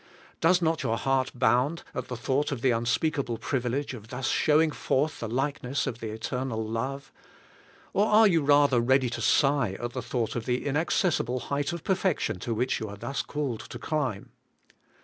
Does not your heart bound at the thought of the unspeakable privilege of thus showing forth the likeness of the Eternal Love? Or are you rather ready to sigh at the thought of the inaccessible height of perfection to which you are thus called to climb?